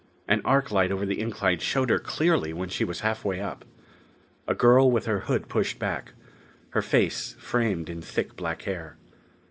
An arc light over the incline showed her clearly when she was half way up. A girl with her hood pushed back; her face framed in thick black hair.